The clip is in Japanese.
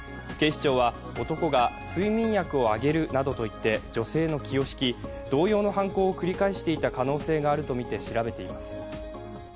警視庁は男が睡眠薬をあげるなどと言って女性の気を引き、同様の犯行を繰り返していた可能性があるとみて調べています。